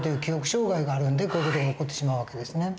障害があるんでこういう事が起こってしまう訳ですね。